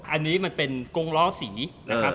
อันนี้มันเป็นกงล้อสีนะครับ